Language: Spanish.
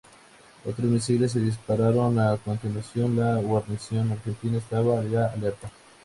Otros misiles se dispararon a continuación, la guarnición argentina estaba ya alertada.